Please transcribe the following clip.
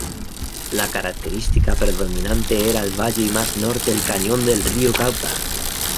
La característica predominante era el valle y más norte el cañón del río Cauca.